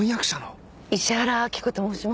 石原明子と申します。